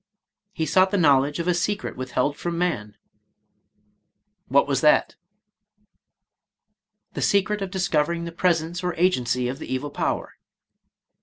— "He sought the knowledge of a secret withheld from man." "What was that?" — "The secret of discovering the pres ence or agency of the evil power."